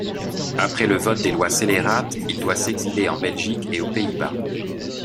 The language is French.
Après le vote des lois scélérates, il doit s'exiler en Belgique et aux Pays-Bas.